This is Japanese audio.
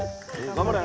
頑張れ。